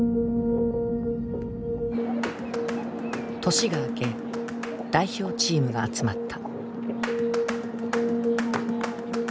年が明け代表チームが集まった。